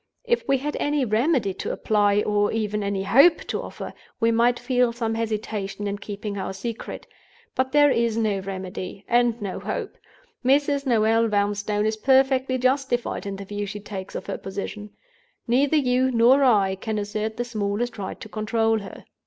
If we had any remedy to apply, or even any hope to offer, we might feel some hesitation in keeping our secret. But there is no remedy, and no hope. Mrs. Noel Vanstone is perfectly justified in the view she takes of her own position. Neither you nor I can assert the smallest right to control her.